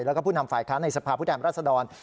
แล้วก็ผู้นำฝ่ายค้านในสภาพผู้แทนรัศดร